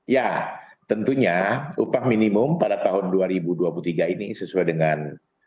ya tentunya upah minimum pada tahun dua ribu dua puluh tiga ini sesuai dengan